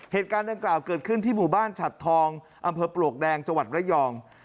เหตุการณ์ดังกล่าวเกิดขึ้นที่หมู่บ้านฉัดทองอำเภอปลวกแดงจังหวัดระยอง